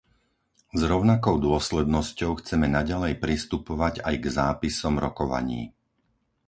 S rovnakou dôslednosťou chceme naďalej pristupovať aj k zápisom rokovaní.